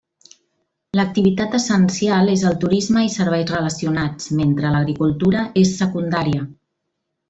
L'activitat essencial és el turisme i serveis relacionats, mentre l'agricultura és secundària.